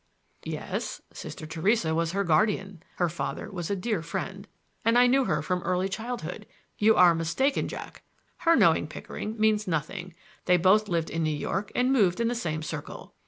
"Yes. Sister Theresa was her guardian. Her father was a dear friend, and I knew her from her early childhood. You are mistaken, Jack. Her knowing Pickering means nothing,—they both lived in New York and moved in the same circle."